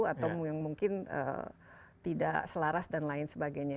atau yang mungkin tidak selaras dan lain sebagainya